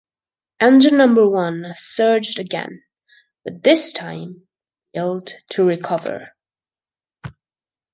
Engine number one surged again, but this time failed to recover.